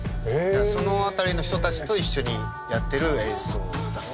その辺りの人たちと一緒にやってる演奏だったりとかして。